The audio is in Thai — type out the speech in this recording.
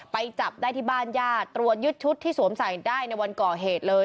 ไปจับได้ที่บ้านญาติตรวจยึดชุดที่สวมใส่ได้ในวันก่อเหตุเลย